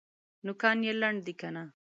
نوکان یې لنډ دي که نه؟